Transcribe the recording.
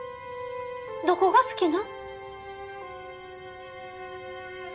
どこが好きな？